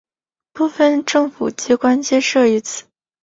部分政府机关皆设于此。